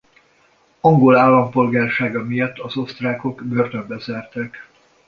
Angol állampolgársága miatt az osztrákok börtönbe zárták.